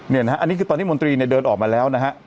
นี่นะฮะอันนี้คือตอนที่มนตรีเนี่ยเดินออกมาแล้วนะฮะ